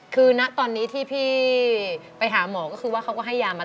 คือณตอนนี้ที่พี่ไปหาหมอก็คือว่าเขาก็ให้ยามา